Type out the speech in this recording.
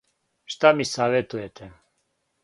Шта ми саветујете?